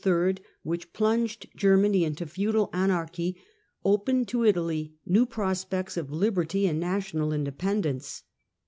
Henry which phmged Germany into feudal anarchy, opened to Italy new prospects of liberty and national independence.